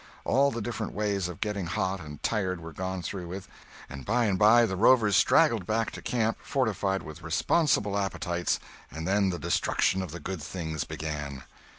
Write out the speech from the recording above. All the different ways of getting hot and tired were gone through with, and by and by the rovers straggled back to camp fortified with responsible appetites, and then the destruction of the good things began.